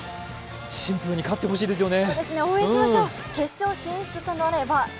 シンプルに勝ってほしいですよね。